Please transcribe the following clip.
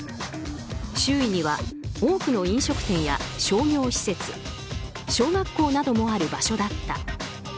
周囲には多くの飲食店や商業施設小学校などもある場所だった。